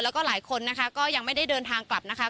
แล้วก็หลายคนนะคะก็ยังไม่ได้เดินทางกลับนะคะ